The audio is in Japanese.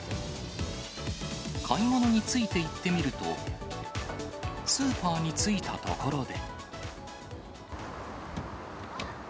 買い物についていってみると、スーパーに着いたところで。